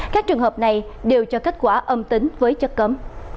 các trường hợp này đều cho kết quả âm tính với chất cấm